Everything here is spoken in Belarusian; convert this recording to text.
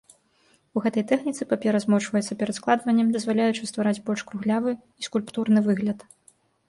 У гэтай тэхніцы папера змочваецца перад складваннем, дазваляючы ствараць больш круглявы і скульптурны выгляд.